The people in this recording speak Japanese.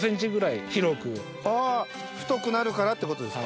太くなるからってことですか？